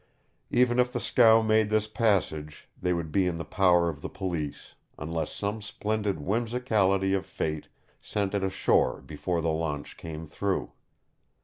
Even if the scow made this passage, they would be in the power of the Police, unless some splendid whimsicality of Fate sent it ashore before the launch came through.